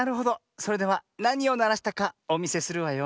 それではなにをならしたかおみせするわよ。